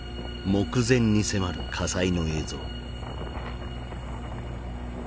目前に迫る火災の映像。